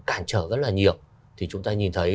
cản trở rất là nhiều thì chúng ta nhìn thấy